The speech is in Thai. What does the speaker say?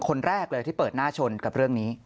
คนแรกเลยที่เปิดหน้าชนกับเรื่องนี้